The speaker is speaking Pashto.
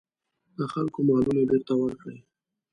د خلکو مالونه بېرته ورکړي.